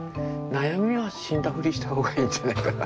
悩みは死んだふりした方がいいんじゃないかな。